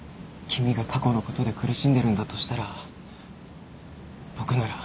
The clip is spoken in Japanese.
君が過去のことで苦しんでるんだとしたら僕なら。